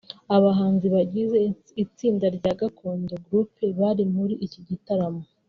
Abahanzi bagize itsinda rya Gakondo Group bari muri iki gitaramo